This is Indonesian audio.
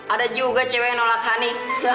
ada juga cewek yang nolak hanik